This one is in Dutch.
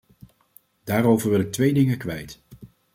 Daarover wil ik twee dingen kwijt.